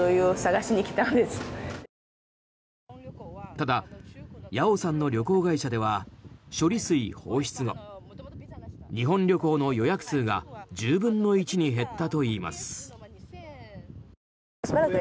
ただ、ヤオさんの旅行会社では処理水放出後日本旅行の予約数が１０分の１に減ったといいます。